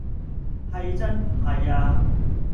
係真唔係呀